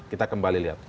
kita kembali lihat